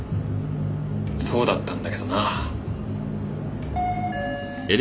そうだったんだけどなぁ。